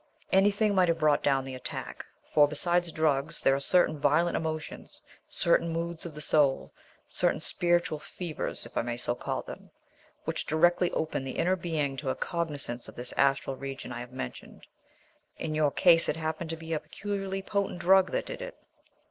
"Anything might have brought down the attack, for, besides drugs, there are certain violent emotions, certain moods of the soul, certain spiritual fevers, if I may so call them, which directly open the inner being to a cognizance of this astral region I have mentioned. In your case it happened to be a peculiarly potent drug that did it."